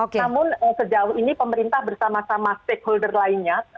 namun sejauh ini pemerintah bersama sama stakeholder lainnya